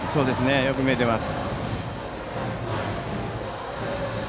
よく見えています。